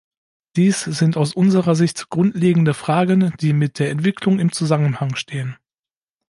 Dies sind aus unserer Sicht grundlegende Fragen, die mit der Entwicklung im Zusammenhang stehen.